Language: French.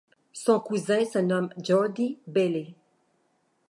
Son cousin se nomme Jordi Bailey.